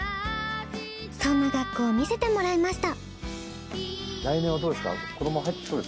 そんな学校を見せてもらいました。